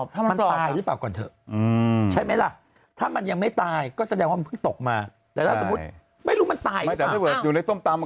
ถ้ามันยังไม่ตายก็แสดงว่าเพิ่งตกมาไม่รู้มันตายอยู่ในส้มตามัน